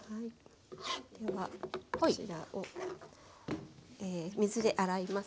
ではこちらを水で洗います。